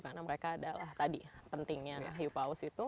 karena mereka adalah tadi pentingnya hiu paus itu